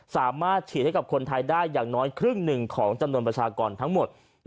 สามารถฉีดให้กับคนไทยได้อย่างน้อยครึ่งหนึ่งของจำนวนประชากรทั้งหมด